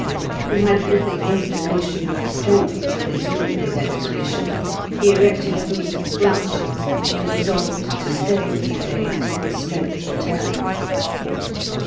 He had little inclination or strength to resume his expedition; he erected a booth of branches, and resolved to stay a few days till his strength returned.